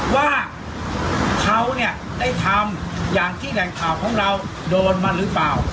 ว่าเขาเนี่ยได้ทำอย่างที่แหล่งข่าวของเราโดนมาหรือเปล่า